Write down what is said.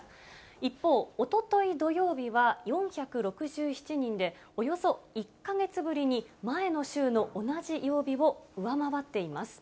一方、おととい土曜日は４６７人で、およそ１か月ぶりに前の週の同じ曜日を上回っています。